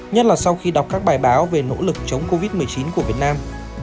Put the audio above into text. nhất là sau khi đọc các bài báo về nỗ lực chống covid một mươi chín của việt nam